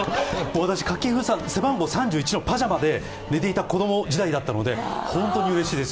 私、掛布さん、背番号３１のパジャマで寝ていた子供時代だったので本当にうれしいです。